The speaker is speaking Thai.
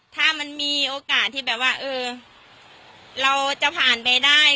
ถ้ามันมีโอกาสที่แบบว่าเออเราจะผ่านไปได้